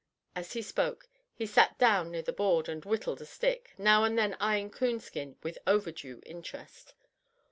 As he spoke, he sat down near the board and whittled a stick, now and then eyeing Coonskin with overdue interest.